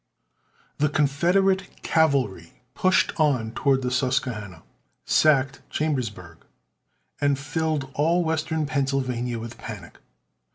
The Confederate cavalry pushed on toward the Susquehanna, sacked Chambersburg, and filled all western Pennsylvania with panic.